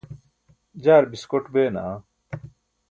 jaar biskoṭ bee naa